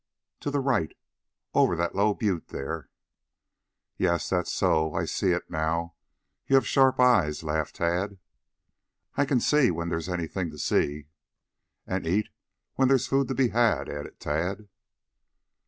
"To the right. Over that low butte there." "Yes; that's so. I see it now. You have sharp eyes," laughed Tad. "I can see when there's anything to see." "And eat when there's food to be had," added Tad.